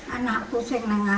anakku seng lengahwi